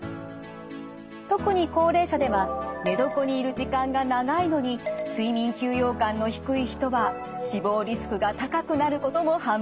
特に高齢者では寝床にいる時間が長いのに睡眠休養感の低い人は死亡リスクが高くなることも判明。